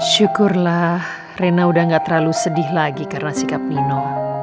syukurlah rena udah gak terlalu sedih lagi karena sikap nino